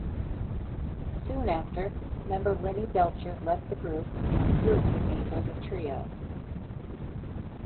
Soon after, member Linnie Belcher left the group and group remained as a trio.